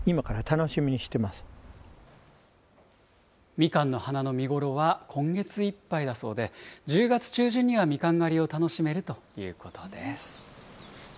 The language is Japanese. みかんの花の見頃は今月いっぱいだそうで、１０月中旬にはみかん狩りを楽しめるということです。